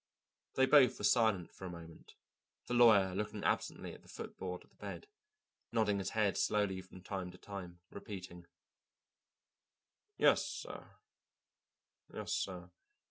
They both were silent for a moment, the lawyer looking absently at the foot board of the bed, nodding his head slowly from time to time, repeating, "Yes, sir yes, sir."